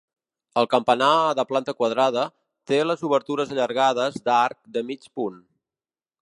El campanar, de planta quadrada, té les obertures allargades d'arc de mig punt.